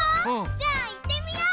じゃあいってみよう！